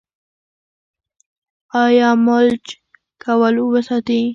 آیا ملچ کول اوبه ساتي؟